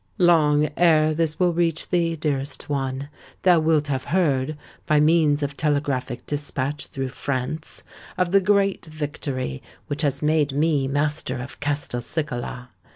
"Long ere this will reach thee, dearest one, thou wilt have heard, by means of telegraphic dispatch through France, of the great victory which has made me master of Castelcicala.